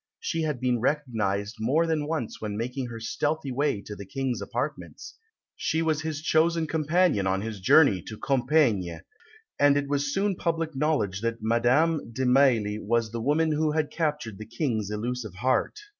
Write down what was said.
She had been recognised more than once when making her stealthy way to the King's apartments; she was his chosen companion on his journey to Compiègne; and it was soon public knowledge that Madame de Mailly was the woman who had captured the King's elusive heart.